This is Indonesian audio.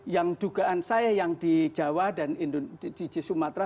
yang dugaan saya yang di jawa dan di sumatera